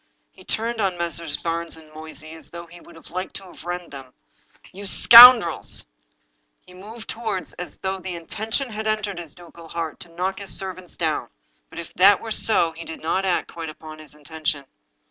He turned on Messrs. Barnes and Moysey as though he would have liked to rend them. " You scoundrels !" He moved forward as though the intention had entered his ducal heart to knock his servants down. But, if that were so, he did not act quite up to his intention.